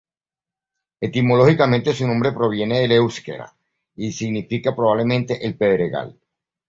Etimológicamente su nombre proviene del euskera y significa probablemente "el pedregal".